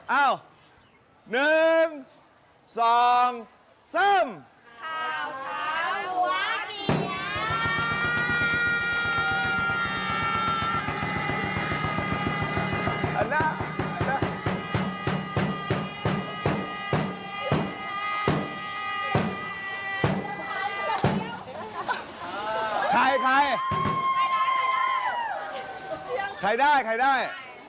ตายแล้วหมูมีใบเดียวทำไงดี